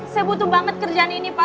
saya butuh banget kerjaan ini pak